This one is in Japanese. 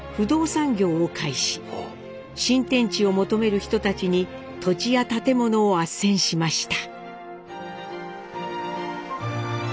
新天地を求める人たちに土地や建物をあっせんしました。